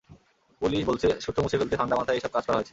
Police বলছে, সূত্র মুছে ফেলতে ঠান্ডা মাথায় এসব কাজ করা হয়েছে।